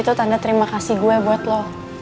itu tanda terima kasih gue buat lo